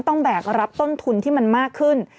แบกรับต้นทุนที่มันมากขึ้น